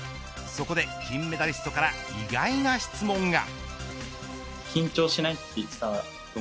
そこで、金メダリストから意外な質問が。